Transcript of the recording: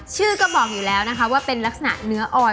ชื่อก็บอกอยู่แล้วนะคะว่าเป็นลักษณะเนื้อออย